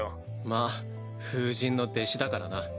まあ風神の弟子だからな。